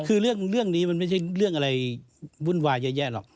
คือเรื่องนี้มันไม่ใช่เรื่องอะไรวุ่นวายเยอะแยะหรอก